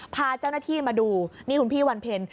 พาเจ้าหน้าที่มาดูนี่คุณพี่วันเพ็ญ